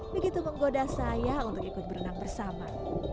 begitu menggoda saya untuk ikut berenang bersama